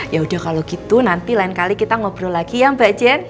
yaudah kalo gitu nanti lain kali kita ngobrol lagi ya mbak jen